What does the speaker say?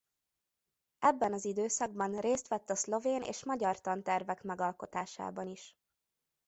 Ebben az időszakban részt vett a szlovén és magyar tantervek megalkotásában is.